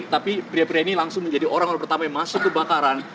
tapi pria pria ini langsung menjadi orang orang pertama yang masuk kebakaran